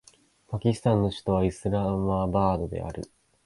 パキスタンの首都はイスラマバードである